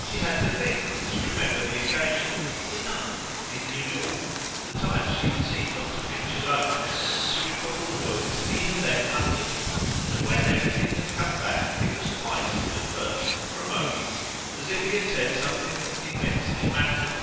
She had to think, to remember the occasion, the "ninth," in New York, the time she had seen Doctor Finch alone, and to recall the words he had then uttered; and when everything had come back it was quite, at first, for a moment, as if he had said something that immensely mattered.